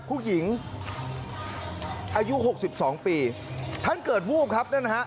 ผู้หญิงอายุ๖๒ปีท่านเกิดวูบครับนั่นนะฮะ